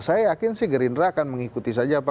saya yakin sih gerindra akan mengikuti saja